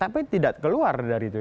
tapi tidak keluar dari itu